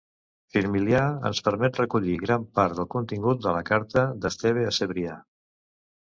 Firmilià ens permet recollir gran part del contingut de la carta d'Esteve a Cebrià.